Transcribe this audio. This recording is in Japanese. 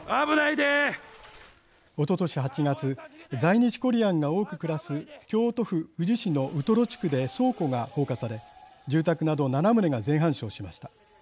おととし８月、在日コリアンが多く暮らす京都府宇治市のウトロ地区で倉庫が放火され住宅など７棟が全半焼しました。